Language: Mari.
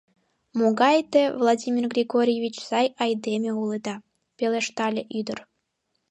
— Могай те, Владимир Григорьевич, сай айдеме улыда! — пелештале ӱдыр.